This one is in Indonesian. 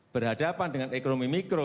berhadapan dengan ekonomi mikro